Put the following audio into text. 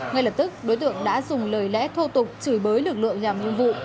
ngay lập tức đối tượng đã dùng lời lẽ thô tục chửi bới lực lượng làm nhiệm vụ